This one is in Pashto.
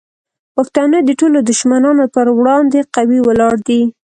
پښتانه د ټولو دشمنانو پر وړاندې قوي ولاړ دي.